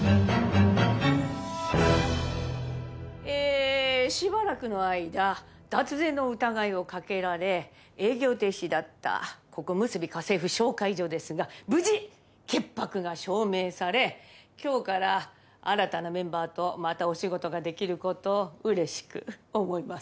えーしばらくの間脱税の疑いをかけられ営業停止だったここむすび家政婦紹介所ですが無事潔白が証明され今日から新たなメンバーとまたお仕事ができる事を嬉しく思います。